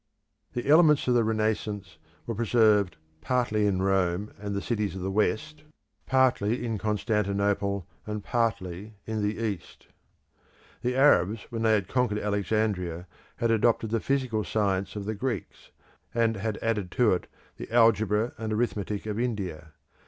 The elements of the Renaissance were preserved partly in Rome and the cities of the West, partly in Constantinople, and partly in the East. The Arabs, when they conquered Alexandria, had adopted the physical science of the Greeks, and had added to it the algebra and arithmetic of India.